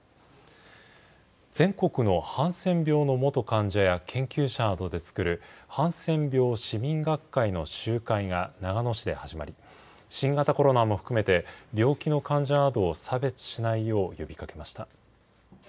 全国のハンセン病の元患者や研究者などで作るハンセン病市民学会の集会が長野市で始まり、新型コロナも含めて病気の患者などを差別しないよう呼びかけました。